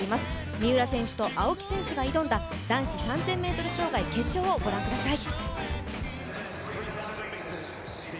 三浦選手、青木選手が挑んだ男子３０００ｍ障害、決勝をご覧ください。